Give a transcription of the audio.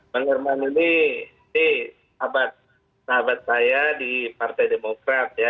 bang herman ini sahabat saya di partai demokrat ya